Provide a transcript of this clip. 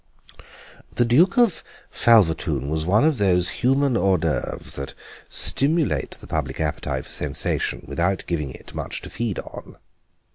The Duke of Falvertoon was one of those human hors d'œuvres that stimulate the public appetite for sensation without giving it much to feed on.